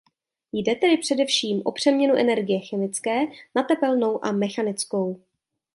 Jde tedy především o přeměnu energie chemické na tepelnou a mechanickou.